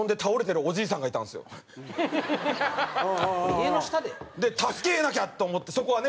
家の下で？で助けなきゃ！と思ってそこはね